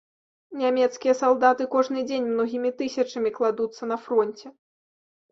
Нямецкія салдаты кожны дзень многімі тысячамі кладуцца на фронце.